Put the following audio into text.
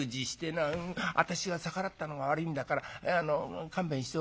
「私が逆らったのが悪いんだから勘弁しておくれ。